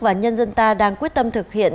và nhân dân ta đang quyết tâm thực hiện